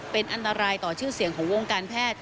เป็นอันตรายต่อชื่อเสียงของวงการแพทย์